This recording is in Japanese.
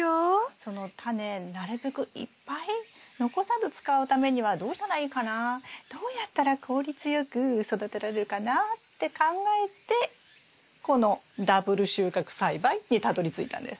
そのタネなるべくいっぱい残さず使うためにはどうしたらいいかなどうやったら効率よく育てられるかなって考えてこのダブル収穫栽培にたどりついたんです。